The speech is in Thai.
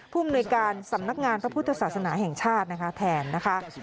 ภูมิหน่วยการสำนักงานพระพุทธศาสนาแห่งชาตินะคะแทนนะคะ